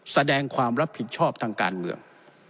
แสดงความรับผิดชอบทางการเมือง